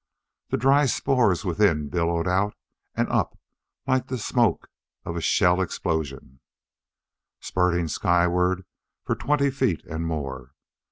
The dry spores within billowed out and up like the smoke of a shell explosion, spurting skyward for twenty feet and more.